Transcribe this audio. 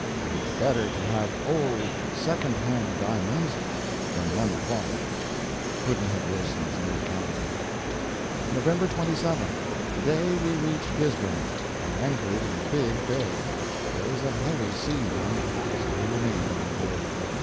It is better to have old second hand diamonds than none at all. Pudd'nhead Wilson's New Calendar. November 27. To day we reached Gisborne, and anchored in a big bay; there was a heavy sea on, so we remained on board.